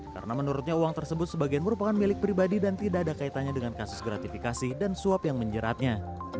karena menurutnya uang tersebut sebagian merupakan milik pribadi dan tidak ada kaitannya dengan kasus gratifikasi dan suap yang menceratnya